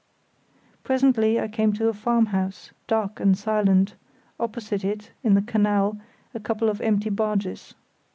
Presently I came to a farmhouse, dark and silent; opposite it, in the canal, a couple of empty barges.